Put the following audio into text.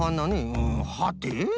うんはて？